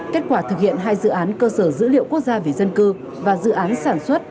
kết quả thực hiện hai dự án cơ sở dữ liệu quốc gia về dân cư và dự án sản xuất